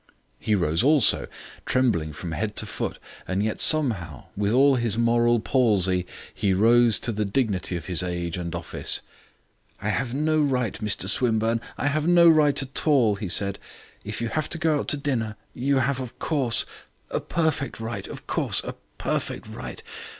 He rose also, trembling from head to foot, and yet somehow, with all his moral palsy, he rose to the dignity of his age and his office. "I have no right, Mr Swinburne I have no right at all," he said. "If you have to go out to dinner, you have of course a perfect right of course a perfect right.